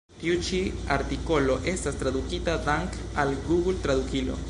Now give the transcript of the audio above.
Tiu ĉi artikolo estas tradukita dank' al Google-Tradukilo.